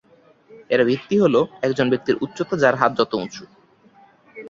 এর ভিত্তি হল, একজন ব্যক্তির উচ্চতা, যার হাত উঁচু।